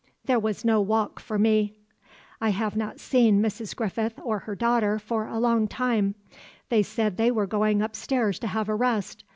There was no walk for me. "I have not seen Mrs. Griffith or her daughter for a long while. They said they were going upstairs to have a rest.